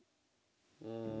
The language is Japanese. うん。